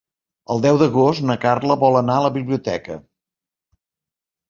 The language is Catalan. El deu d'agost na Carla vol anar a la biblioteca.